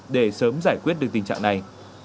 để sớm giải quyết được tình trạng này